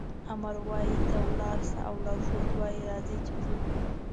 آمر وایي ځه ولاړ شه او لارښود وایي راځئ چې ځو.